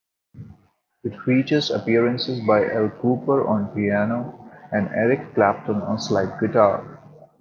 It features appearances by Al Kooper on piano, and Eric Clapton on slide guitar.